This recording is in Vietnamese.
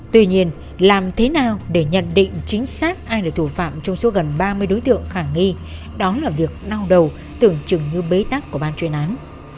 tuy nhiên làm thế nào để nhận định chính xác ai là thủ phạm trong số gần ba mươi đối tượng khả nghi đó là việc đau đầu tưởng chừng như bế tắc của ban chuyên án